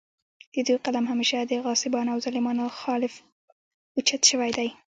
د دوي قلم همېشه د غاصبانو او ظالمانو خالف اوچت شوے دے